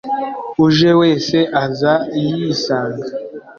uje wese aza yiisaanga